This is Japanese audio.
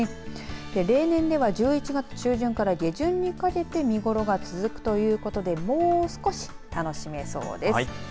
例年では１１月中旬から下旬にかけて見頃が続くということでもう少し楽しめそうです。